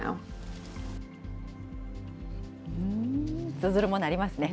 通ずるものありますね。